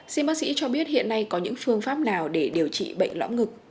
xin bác sĩ cho biết hiện nay có những phương pháp nào để điều trị bệnh lõm ngực